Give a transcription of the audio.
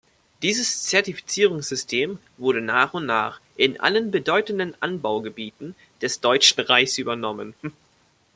Dieses Zertifizierungssystem wurde nach und nach in allen bedeutenden Anbaugebieten des Deutschen Reichs übernommen.